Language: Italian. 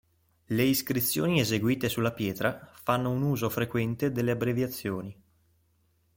Le iscrizioni eseguite sulla pietra fanno un uso frequente delle abbreviazioni.